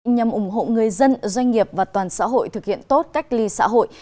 nhằm ủng hộ người dân doanh nghiệp và toàn xã hội thực hiện tốt cách ly xã hội